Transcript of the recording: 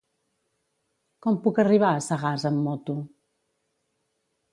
Com puc arribar a Sagàs amb moto?